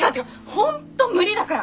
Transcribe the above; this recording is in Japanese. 本当無理だから！